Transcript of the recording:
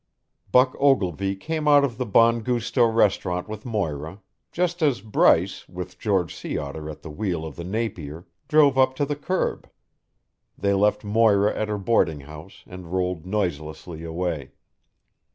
Buck Ogilvy came out of the Bon Gusto restaurant with Moira, just as Bryce, with George Sea Otter at the wheel of the Napier, drove up to the curb. They left Moira at her boarding house, and rolled noiselessly away.